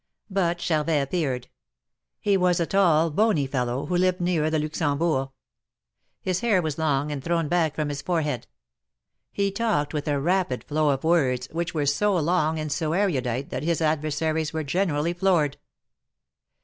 But Charvet appeared. He was a tall, bony fellow, who lived near the Luxembourg. His hair was long, and thrown back from his forehead. He talked with a rapid flow of words, which were so long and so erudite that his adversaries were generally floored.